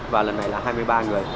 và lần này là hai mươi ba người